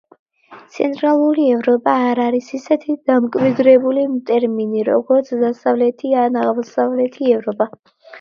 ცენტრალური ევროპა არ არის ისეთი დამკვიდრებული ტერმინი, როგორც დასავლეთი ან აღმოსავლეთი ევროპა.